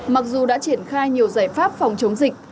mặc dù đã triển khai nhiều giải pháp phòng chống dịch